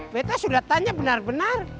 kita sudah tanya benar benar